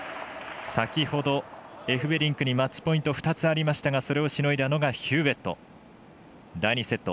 先ほど、エフベリンクにマッチポイント２つありましたがそれをしのいだのがヒューウェット。